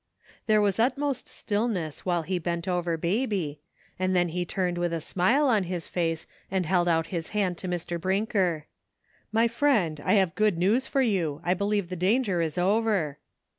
There was utmost stillness while he bent over Babj^ and then he turned with a smile on his face and held out his hand to Mr. BARK DAYS. 155 Briiiker :" My friend, I have good news for you ; I believe the danger is over."